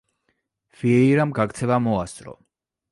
ვიეირამ გაქცევა მოასწრო.